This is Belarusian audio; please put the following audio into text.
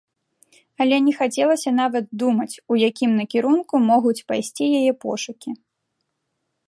Але не хацелася нават думаць, у якім накірунку могуць пайсці яе пошукі.